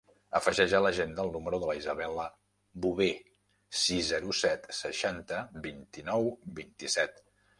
Afegeix a l'agenda el número de l'Isabella Bover: sis, zero, set, seixanta, vint-i-nou, vint-i-set.